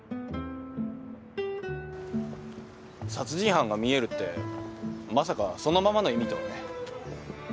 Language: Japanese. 殺人犯が見えるってまさかそのままの意味とはね。